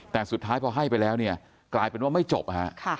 แต่สุดท้ายพอให้ไปแล้วเนี่ยกลายเป็นว่าไม่จบฮะ